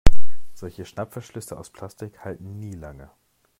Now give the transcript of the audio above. Solche Schnappverschlüsse aus Plastik halten nie lange.